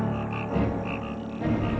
jangan sampai kau mencabut kayu ini